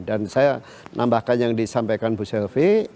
dan saya nambahkan yang disampaikan ibu sylvie